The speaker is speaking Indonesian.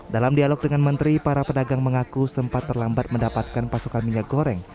dalam dialog dengan menteri para pedagang mengaku sempat terlambat mendapatkan pasokan minyak goreng